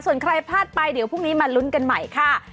ส่วนใครพลาดไปเดี๋ยวพรุ่งนี้มาลุ้นกันใหม่ค่ะ